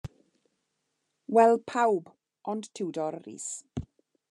Wel, pawb ond Tiwdor Rees.